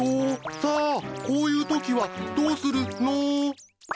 さあこういうときはどうするの？